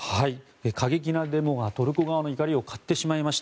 過激なデモがトルコ側の怒りを買ってしまいました。